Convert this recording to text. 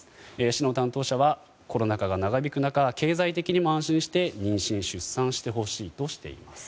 市の担当者はコロナ禍が長引く中経済的にも安心して妊娠・出産してほしいとしています。